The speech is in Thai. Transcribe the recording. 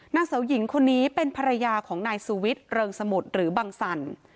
นางสาวหญิงคนนี้เป็นภรรยาของนายสุวิทย์เริงสมุทรหรือบังสัน